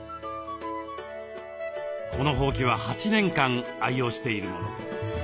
このほうきは８年間愛用しているもの。